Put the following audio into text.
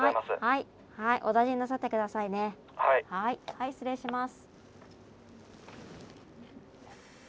はい失礼します。